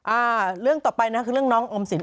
อ่าเรื่องต่อไปนะคือเรื่องน้องออมสิน